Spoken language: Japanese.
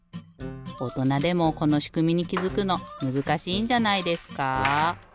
おとなでもこのしくみにきづくのむずかしいんじゃないですか？